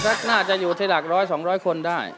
ประมานสักหน้าจะอยู่ที่หลัก๑๐๐๒๐๐คนได้